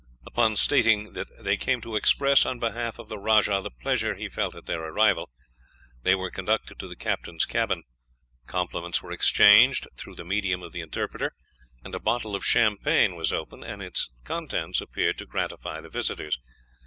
Upon stating that they came to express, on behalf of the rajah, the pleasure he felt at their arrival, they were conducted to the captain's cabin. Compliments were exchanged through the medium of the interpreter, and a bottle of champagne was opened, and its contents appeared to gratify the visitors.